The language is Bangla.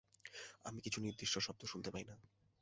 আমি কিছু নির্দিষ্ট শব্দ শুনতে পাই না।